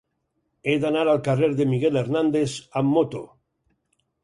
He d'anar al carrer de Miguel Hernández amb moto.